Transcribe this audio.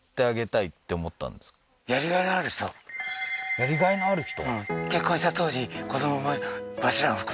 やり甲斐のある人？